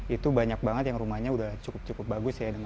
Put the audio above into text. itu banyak banget yang rumahnya sudah cukup cukup bagus